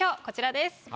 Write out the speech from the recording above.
こちらです。